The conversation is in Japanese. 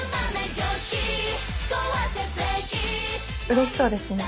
うれしそうですね。